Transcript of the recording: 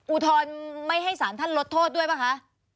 อุทธรณ์ไม่ให้สารท่านลดโทษด้วยป่ะคะ